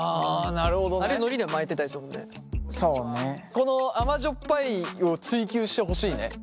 このあまじょっぱいを追求してほしいね。